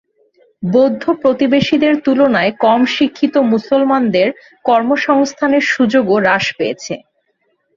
বৌদ্ধ প্রতিবেশীদের তুলনায় কম শিক্ষিত মুসলমানদের কর্মসংস্থানের সুযোগও হ্রাস পেয়েছে।